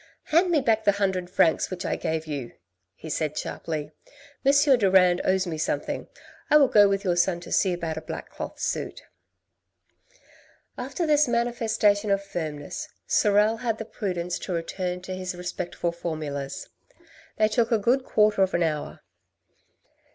" Hand me back the hundred francs which I gave you," he said sharply. " M. Durand owes me something, I will go with your son to see about a black cloth suit." After this manifestation of firmness, Sorel had the prudence to return to his respectful formulas ; they took a good quarter of an hour.